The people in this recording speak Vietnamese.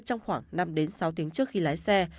trong khoảng năm sáu tiếng trước khi lái xe